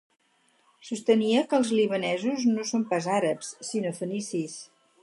Sostenia que els libanesos no són pas àrabs, sinó fenicis.